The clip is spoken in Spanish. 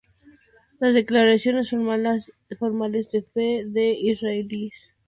Las declaraciones formales de fe de israelíes no son aceptadas.